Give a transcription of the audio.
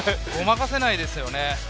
ごまかせないですよね。